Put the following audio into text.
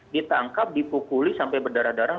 ditangkap dipukuli sampai berdarah darah